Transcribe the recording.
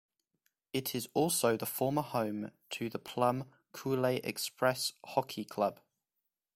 It is also the former home to the Plum Coulee Xpress hockey club.